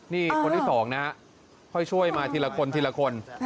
นี่คนที่๒นะค่อยช่วยมาทีละคน